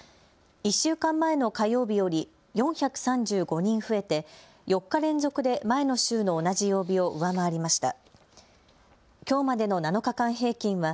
１週間前の火曜日より４３５人増えて４日連続で前の週の同じ曜日を上回りました。